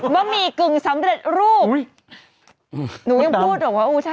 ค่ะเออบะหมี่กึ่งสำเร็จรูปโอ้ยหืมหนูยังพูดหนึ่งว่ารู้จ้า